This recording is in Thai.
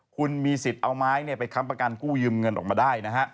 คุณมีสิทธิ์เอาไม้ไปค้ำประกันกู้ยืมเงินออกมาได้นะฮะ